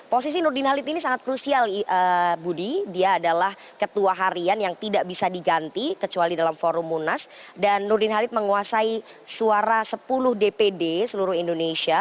posisi nurdin halid ini sangat krusial budi dia adalah ketua harian yang tidak bisa diganti kecuali dalam forum munas dan nurdin halid menguasai suara sepuluh dpd seluruh indonesia